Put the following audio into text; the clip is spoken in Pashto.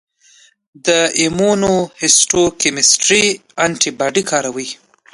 د ایمونوهیسټوکیمسټري انټي باډي کاروي.